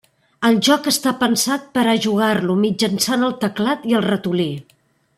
El joc està pensat per a jugar-lo mitjançant el teclat i el ratolí.